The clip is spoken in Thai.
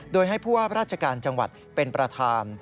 โดยให้ผู้ว่าราชการจังหวัดเป็นประธาน